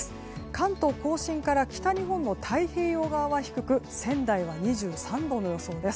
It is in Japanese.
関東・甲信から北日本の太平洋側は低く仙台は２３度の予想です。